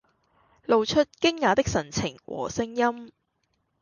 露出驚訝的神情和聲音